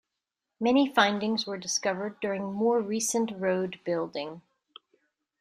Many findings were discovered during more recent road building.